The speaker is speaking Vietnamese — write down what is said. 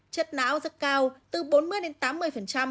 chết náo rất cao từ bốn mươi tám mươi